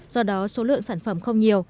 do đó số lượng sản phẩm không nhiều